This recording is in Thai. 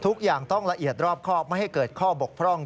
ทุกอย่างต้องละเอียดรอบครอบไม่ให้เกิดข้อบกพร่อง